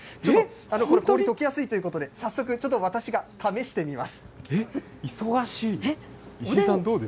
これ、本当にとけやすいということで、早速、ちょっと私が試して忙しい。